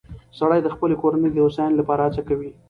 سړی د خپلې کورنۍ د هوساینې لپاره هڅه کوي